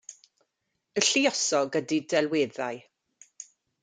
Y lluosog ydy delweddau.